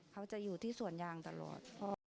เขาจะอยู่ที่สวนยางตลอด